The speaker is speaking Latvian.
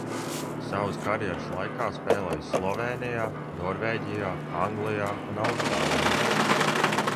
Savas karjeras laikā spēlējis Slovēnijā, Norvēģijā, Anglijā un Austrālijā.